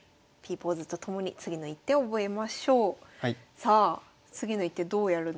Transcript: さあ次の一手どうやるんでしょうか。